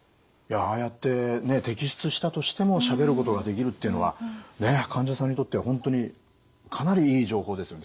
ああやって摘出したとしてもしゃべることができるっていうのは患者さんにとっては本当にかなりいい情報ですよ。